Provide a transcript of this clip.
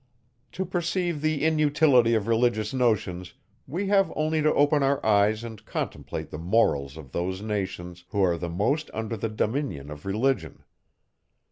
To perceive the inutility of religious notions, we have only to open our eyes and contemplate the morals of those nations, who are the most under the dominion of religion.